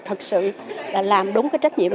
thật sự là làm đúng cái trách nhiệm